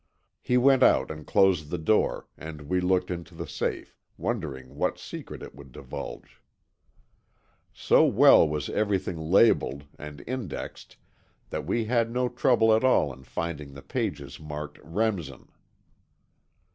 He went out and closed the door, and we looked into the safe, wondering what secret it would divulge. So well was everything labelled and indexed that we had no trouble at all in finding the pages marked Remsen.